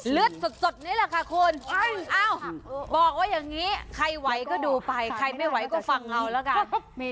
เลือดสดนี่แหละค่ะคุณบอกว่าอย่างนี้ใครไหวก็ดูไปใครไม่ไหวก็ฟังเอาแล้วกัน